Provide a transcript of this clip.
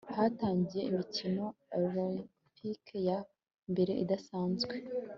hatangiye imikino olempike ya mbere idasanzwe